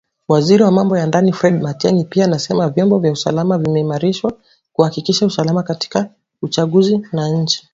Waziri wa Mambo ya Ndani Fred Matiangi pia amesema vyombo vya usalama vimeimarishwa kuhakikisha usalama katika uchaguzi na nchi